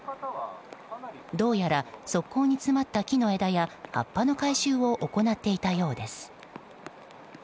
どうやら、側溝に詰まった木の枝や葉っぱの回収を行っていたようです。